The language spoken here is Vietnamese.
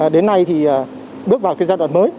đến nay thì bước vào giai đoạn mới